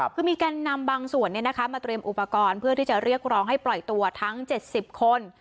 คือมีการนำบางส่วนมาเตรียมอุปกรณ์เพื่อที่จะเรียกร้องให้ปล่อยตัวทั้ง๗๐คน